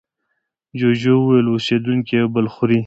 جوجو وویل اوسېدونکي یو بل خوري.